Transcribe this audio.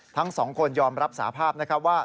ทั้งสองคนยอมรับสาภาพนะครับว่า